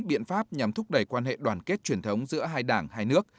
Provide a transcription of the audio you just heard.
biện pháp nhằm thúc đẩy quan hệ đoàn kết truyền thống giữa hai đảng hai nước